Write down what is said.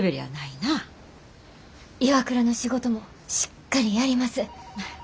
ＩＷＡＫＵＲＡの仕事もしっかりやります。